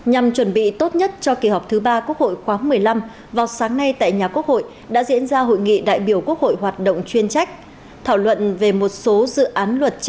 hãy đăng ký kênh để ủng hộ kênh của chúng mình nhé